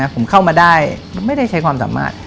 ผมเข้ามาได้ไม่ได้ใช้ความสามารถ